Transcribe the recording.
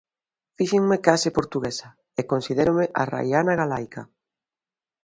Fíxenme case portuguesa e considérome arraiana galaica.